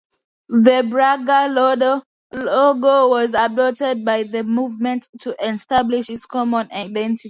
The badger logo was adopted by the movement to establish its common identity.